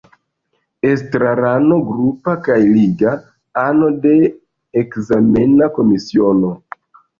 Estrarano grupa kaj liga, ano de ekzamena komisiono.